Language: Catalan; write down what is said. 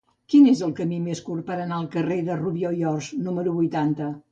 Quin és el camí més curt per anar al carrer de Rubió i Ors número vuitanta?